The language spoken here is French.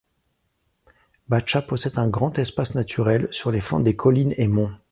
Batcha possède un grand espace naturel, sur les flancs des collines et monts.